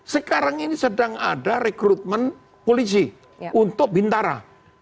sekarang ini sedang ada rekrutmen polisi untuk bintara